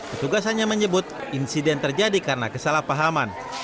ketugasannya menyebut insiden terjadi karena kesalahpahaman